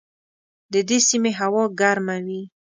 د دې سیمې هوا ګرمه وي.